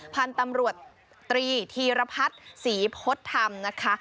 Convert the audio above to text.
พันธุ์ตำรวจตรีธีรพัฒน์ศรีพฤษธรรมนะคะ